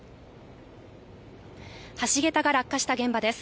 橋げたが落下した現場です。